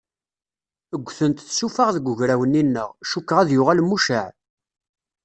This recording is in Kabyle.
Ggtent tsufaɣ deg ugraw-nni-nneɣ, cukkeɣ ad yuɣal mucaɛ.